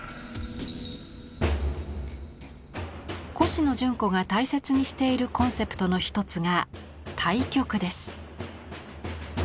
コシノジュンコが大切にしているコンセプトの一つが「対極」です。